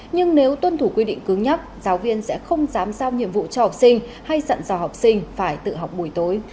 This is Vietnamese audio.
nhưng nếu tuân thủ quy định cứng nhắc giáo viên sẽ không dám sao nhiệm vụ cho học sinh hay dặn dò học sinh phải tự học buổi tối